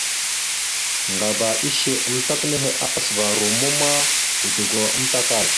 Ŋgaba ishe amətak nehe, apasəva romma ma, godogo amatəkal.